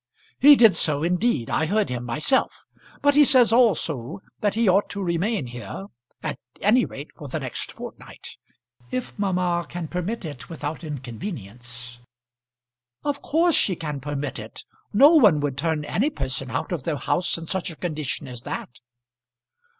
"He did so, indeed. I heard him myself. But he says also that he ought to remain here, at any rate for the next fortnight, if mamma can permit it without inconvenience." "Of course she can permit it. No one would turn any person out of their house in such a condition as that!"